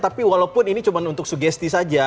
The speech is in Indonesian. tapi walaupun ini cuma untuk sugesti saja